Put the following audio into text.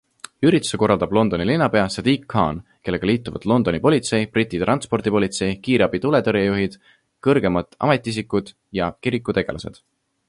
Ürituse korraldab Londoni linnapea Sadiq Khan, kellega liituvad Londoni politsei, Briti transpordipolitsei, kiirabi, tuletõrje juhid, kõrgemad ametiisikud ja kirikutegelased.